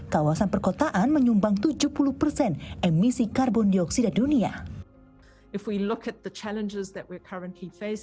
kawasan perkotaan menyumbang tujuh puluh persen emisi karbon dioksida dunia